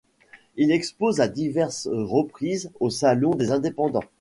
Il expose à diverses reprises au Salon des Indépendants.